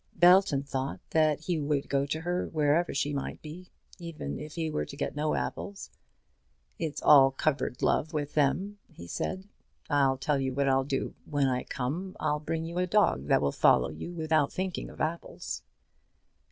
Belton thought that he would go to her, wherever she might be, even if he were to get no apples. "It's all cupboard love with them," he said. "I'll tell you what I'll do; when I come, I'll bring you a dog that will follow you without thinking of apples."